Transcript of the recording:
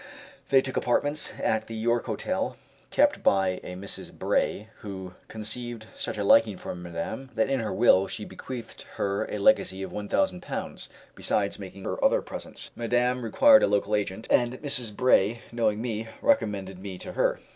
They took apartments at the York Hotel, kept by a Mrs. Bray, who conceived such a liking for Madame that in her will she bequeathed her a legacy of one thousand pounds, besides making her other presents. Madame required a local agent, and Mrs. Bray, knowing me, recommended me to her.